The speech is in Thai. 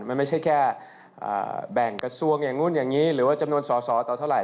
มันไม่ใช่แค่แบ่งกระทรวงอย่างนู้นอย่างนี้หรือว่าจำนวนสอสอต่อเท่าไห